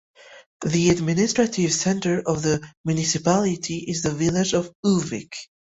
The administrative centre of the municipality is the village of Ulvik.